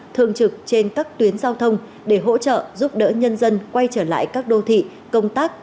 thường trực trên các tuyến giao thông để hỗ trợ giúp đỡ nhân dân quay trở lại các đô thị công tác